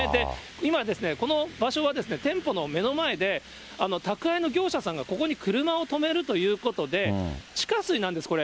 今、この場所は店舗の目の前で、宅配の業者さんがここに車を止めるということで、地下水なんです、これ。